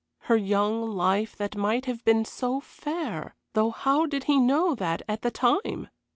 Her young life that might have been so fair, though how did he know that at the time!